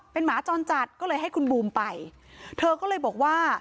เป็นหมาจรจัดก็เลยให้คุณบูมไปเธอก็เลยบอกว่า